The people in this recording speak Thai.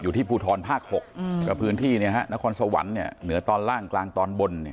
ภูทรภาค๖กับพื้นที่นครสวรรค์เหนือตอนล่างกลางตอนบน